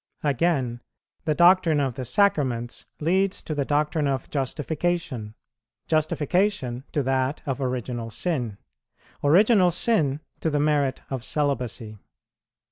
Again, the doctrine of the Sacraments leads to the doctrine of Justification; Justification to that of Original Sin; Original Sin to the merit of Celibacy.